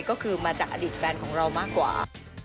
ก็คือมาจากอดีตแฟนของเรามากกว่า